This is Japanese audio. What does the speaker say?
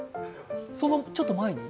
そのちょっと前に。